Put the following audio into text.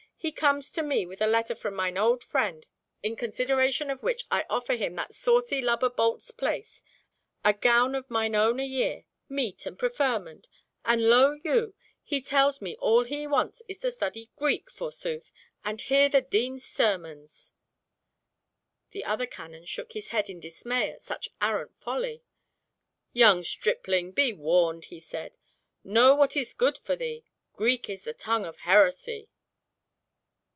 He comes to me with a letter from mine old friend, in consideration of which I offer him that saucy lubber Bolt's place, a gown of mine own a year, meat and preferment, and, lo you, he tells me all he wants is to study Greek, forsooth, and hear the Dean's sermons!" The other canon shook his head in dismay at such arrant folly. "Young stripling, be warned," he said. "Know what is good for thee. Greek is the tongue of heresy."